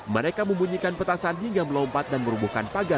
mereka membunyikan petasan hingga melompat dan merubuhkan pagar